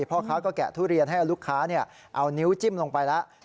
พ่อค้าก็แกะทุเรียนให้ลูกค้าเอานิ้วจิ้มลงไปแล้ว